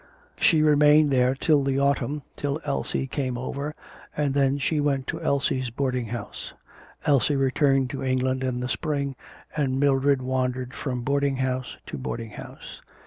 She remained there till the autumn, till Elsie came over, and then she went to Elsie's boarding house. Elsie returned to England in the spring, and Mildred wandered from boarding house to boarding house.